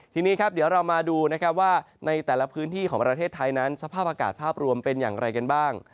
ทีนี้ครับเดี๋ยวเรามาดูนะครับว่าในแต่ละพื้นที่ของประเทศไทยนั้นสภาพอากาศภาพรวมเป็นอย่างไรกันบ้าง